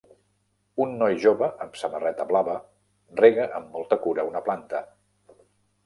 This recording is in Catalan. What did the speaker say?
Un noi jove amb samarreta blava rega amb molta cura una planta